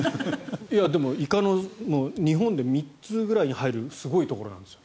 でも、イカの日本で３つぐらいに入るすごいところなんです。